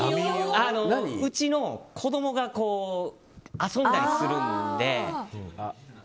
うちの子供が遊んだりするんで。